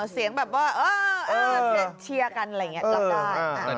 เสียงแบบว่าเชียร์กันรับได้